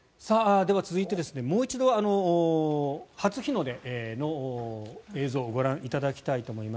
では、続いてもう一度、初日の出の映像をご覧いただきたいと思います。